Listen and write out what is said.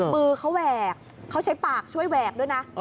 มือเขาแหวกเขาใช้ปากช่วยแหวกด้วยนะ